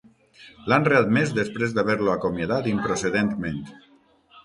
L'han readmès després d'haver-lo acomiadat improcedentment.